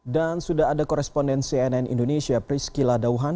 dan sudah ada koresponden cnn indonesia prisky ladauhan